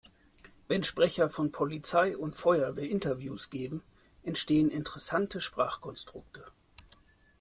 Wenn Sprecher von Polizei und Feuerwehr Interviews geben, entstehen interessante Sprachkonstrukte.